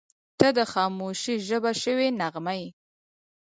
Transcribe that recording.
• ته د خاموشۍ ژبه شوې نغمه یې.